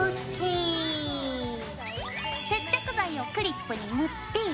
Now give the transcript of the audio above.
接着剤をクリップに塗って。